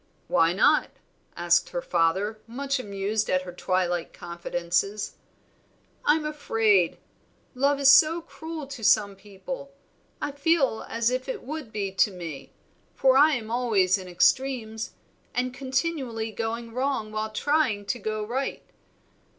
"Why not?" asked her father, much amused at her twilight confidences. "I'm afraid. Love is so cruel to some people, I feel as if it would be to me, for I am always in extremes, and continually going wrong while trying to go right.